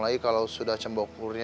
lagi kalau sudah cembokurnya